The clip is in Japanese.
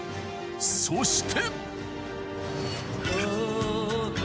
［そして］